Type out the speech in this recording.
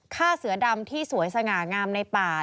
ฆ่าเสือดำที่สวยสง่างามในป่า